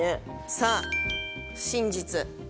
さあ真実。